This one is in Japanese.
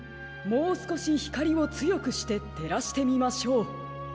もうすこしひかりをつよくしててらしてみましょう。